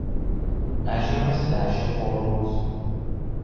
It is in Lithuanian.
Ežeras lęšio formos.